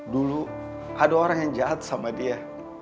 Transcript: dulu ada orang yang jahat sama dia